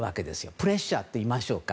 プレッシャーといいましょうか。